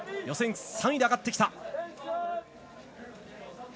予選３位で上がってきた。